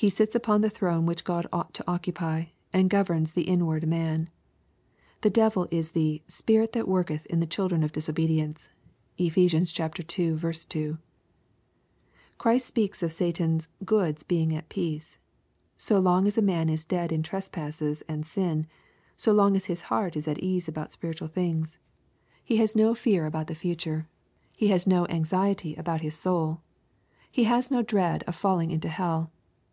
He sits upon the throne which God ought to occupy, and governs the inward man. The devil is the *' spirit that worketh in the children of disobedience." (Ei hes. ii. 2.) Christ speaks of Satan's " goods being at peace." So long as a man is dead in trespasses and sin, so long his heart is at ease about spiritual things. He ha» nc 24 EXPUSITORY THOUGHTS. fear about the future. He has no anxiety about tia 80ul. He has no dread of falling into hell.